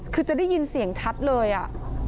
คือจะได้ยินเสียงชัดเลยอ่ะ